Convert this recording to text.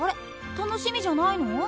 楽しみじゃないの？